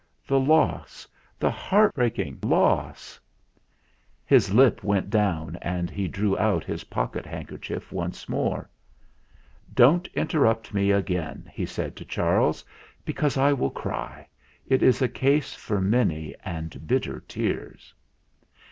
The loss the heart breaking loss !" His lip went down and he drew out his pocket handkerchief once more. "Don't interrupt me again," he said to Charles, "because I will cry. It is a case for many and bitter tears."